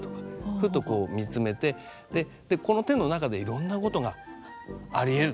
ふっとこう見つめてこの手の中でいろんなことがありえる。